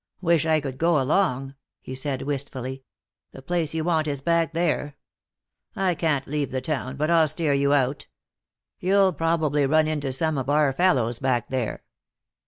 "Wish I could go along," he said, wistfully. "The place you want is back there. I can't leave the town, but I'll steer you out. You'll probably run into some of our fellows back there."